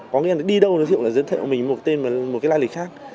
có nghĩa là đi đâu đối tượng lại giới thiệu mình một tên một cái lai lịch khác